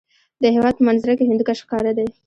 د هېواد په منظره کې هندوکش ښکاره دی.